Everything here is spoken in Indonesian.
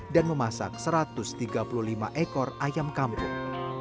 dan memasak satu ratus tiga puluh lima ekor ayam kampung